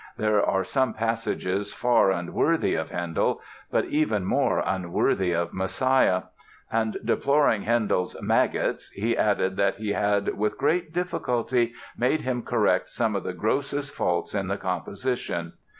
There are some passages far unworthy of Handel, but even more unworthy of 'Messiah'"; and deploring Handel's "maggots" he added that he had "with greatest difficulty made him correct some of the grossest faults in the composition."